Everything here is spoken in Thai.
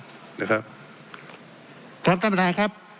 อเจมส์ครับท่านปฐานครับ